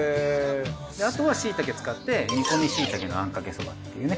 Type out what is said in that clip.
あとはしいたけ使って煮込みしいたけのあんかけそばっていうね。